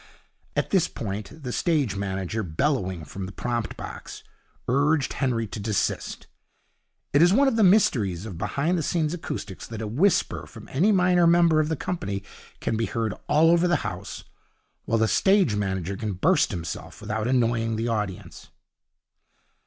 At this point the stage manager, bellowing from the prompt box, urged Henry to desist. It is one of the mysteries of behind the scenes acoustics that a whisper from any minor member of the company can be heard all over the house, while the stage manager can burst himself without annoying the audience.